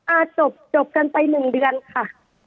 จบจบกันไปหนึ่งเดือนค่ะ